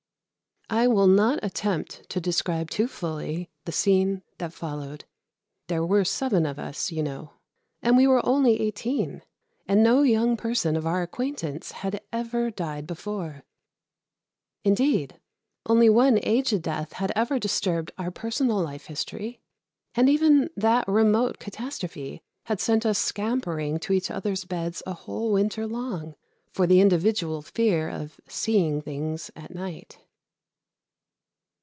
I will not attempt to describe too fully the scene that followed. There were seven of us, you know, and we were only eighteen, and no young person of our acquaintance had ever died before. Indeed, only one aged death had ever disturbed our personal life history, and even that remote catastrophe had sent us scampering to each other's beds a whole winter long, for the individual fear of "seeing things at night."